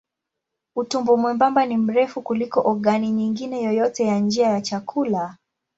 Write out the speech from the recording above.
Utumbo mwembamba ni mrefu kuliko ogani nyingine yoyote ya njia ya chakula.